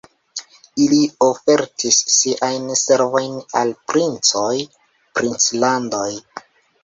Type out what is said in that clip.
Ili ofertis siajn servojn al princoj, princlandoj.